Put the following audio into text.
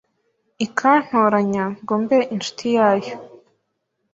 ikantoranya ngo mbe inshuti yayo